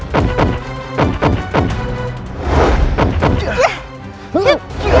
baik tuan putri